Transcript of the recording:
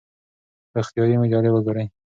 روغتیایي مجلې وګورئ.